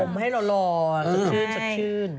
แต่ผมให้หล่อสะชื่น